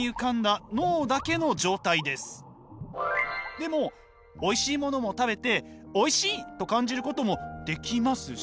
でもおいしいものを食べておいしいと感じることもできますし。